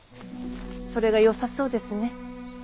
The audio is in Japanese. それがよさそうですね。